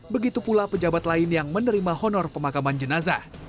begitu pula pejabat lain yang menerima honor pemakaman jenazah